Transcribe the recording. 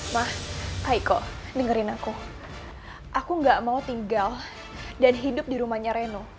ma kak iko dengerin aku aku enggak mau tinggal dan hidup di rumahnya reno